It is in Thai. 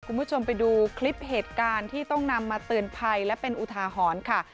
คุณผู้ชมไปดูคลิปเหตุการณ์ที่ต้องนำมาเตือนภัยและเป็นอุทาหรณ์ค่ะ